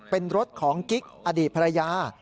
เป็นรถของกิ๊กอดีตภรรยา